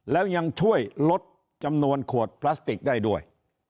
แล้วยังช่วยลดจำนวนขวดพลาสติกได้ด้วย